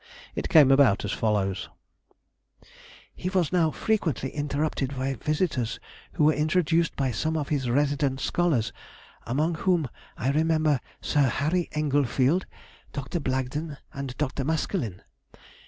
It came about as follows:— ... "He was now frequently interrupted by visitors who were introduced by some of his resident scholars, among whom I remember Sir Harry Engelfield, Dr. Blagden, and Dr. Maskelyne.